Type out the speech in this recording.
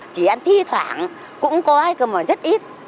chỉ ăn thi thoảng cũng có cơ mà rất ít